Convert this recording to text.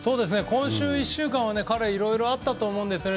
今週１週間は彼いろいろあったと思うんですね。